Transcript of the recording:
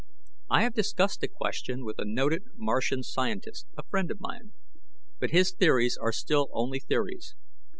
I have discussed the question with a noted Martian scientist, a friend of mine; but his theories are still only theories.